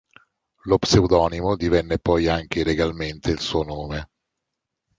Lo pseudonimo divenne poi anche legalmente il suo nome.